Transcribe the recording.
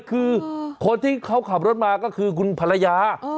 คือคนที่เขาขับรถมาก็คือคุณภรรยา